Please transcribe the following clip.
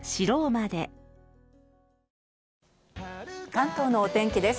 関東のお天気です。